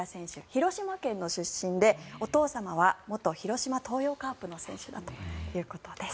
広島県出身でお父様は元広島東洋カープの選手だということです。